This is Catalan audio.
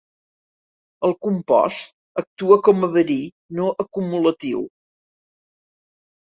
El compost actua com a verí no acumulatiu.